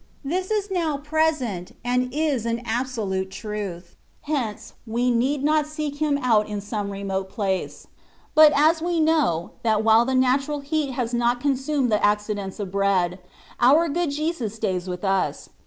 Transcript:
This is now present, and is an absolute truth : hence, we need not seek Him out in some remote place ; but as we know, that while the natural heat has not consumed the accidents of bread, our good Jesus stays with us^ 174 THE WAY OP PEEFECTION.